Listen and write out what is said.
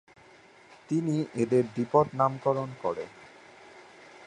তিনি এদের দ্বিপদ নামকরণ করে।